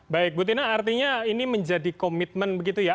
baik butina artinya ini menjadi komitmen begitu ya